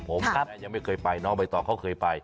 ผมยังไม่เคยไปน้องใบตองเขาเคยไป